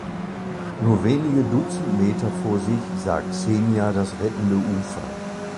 Nur wenige dutzend Meter vor sich sah Xenia das rettende Ufer.